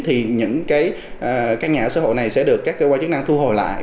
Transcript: thì những cái căn nhà ở xã hội này sẽ được các cơ quan chức năng thu hồi lại